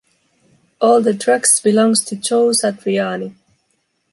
All the tracks belongs to Joe Satriani.